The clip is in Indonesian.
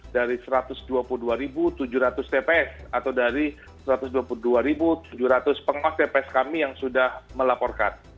dari satu ratus dua puluh dua tujuh ratus tps atau dari satu ratus dua puluh dua tujuh ratus pengawas tps kami yang sudah melaporkan